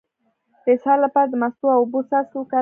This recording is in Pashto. د اسهال لپاره د مستو او اوبو څاڅکي وکاروئ